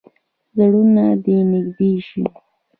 زړونه دې نږدې شي.